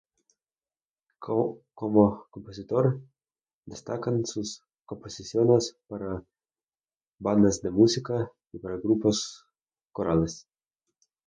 Como compositor, destacan sus composiciones para bandas de música y para grupos corales.